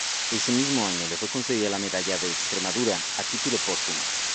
Ese mismo año le fue concedida la Medalla de Extremadura a título póstumo.